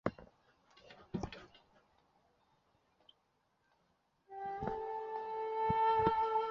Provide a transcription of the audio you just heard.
元基因组或总体基因体学是一门直接取得环境中所有遗传物质的研究。